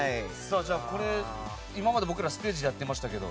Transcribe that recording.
これ、今まで僕らステージでやってましたけど。